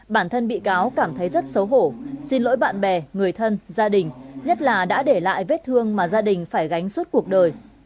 bản thân bị cáo cảm thấy rất xấu hổ xin lỗi bạn bè người thân gia đình nhất là đã để lại vết thương mà gia đình phải gánh suốt cuộc đời